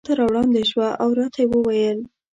ماته را وړاندې شوه او راته ویې ویل.